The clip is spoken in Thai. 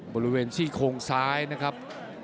บริเวณซี่โครงซ้ายนะครับ